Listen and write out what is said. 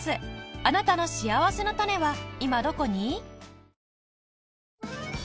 あなたのしあわせのたねは今どこに？